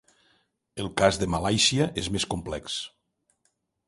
El cas de Malàisia és més complex.